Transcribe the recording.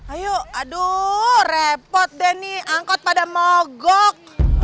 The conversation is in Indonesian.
ayo aduh repot deh nih angkot pada mogok